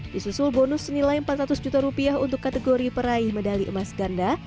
di susul bonus senilai rp empat ratus juta untuk kategori peraih medali emas ganda